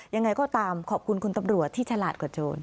ยังไงก็ตามขอบคุณคุณตำรวจที่ฉลาดกว่าโจร